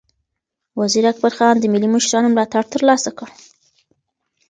وزیر اکبرخان د ملي مشرانو ملاتړ ترلاسه کړ.